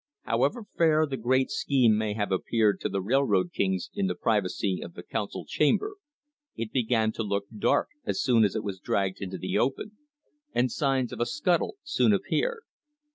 However fair the great scheme may have appeared to the railroad kings in the privacy of the council chamber, it began to look dark as soon as it was dragged into the open, and signs of a scuttle soon appeared.